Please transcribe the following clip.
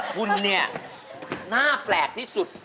คุณเนี่ยน่าแปลกที่สุด